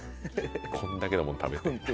こんだけのもの食べて。